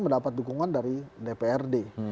mendapat dukungan dari dprd